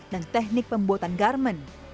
dan teknik pembuatan garmen